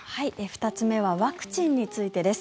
２つ目はワクチンについてです。